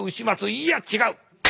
いや違う。